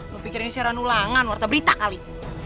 lu pikir ini siaran ulangan warna berita kali